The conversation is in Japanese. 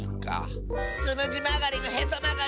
つむじまがりのへそまがり！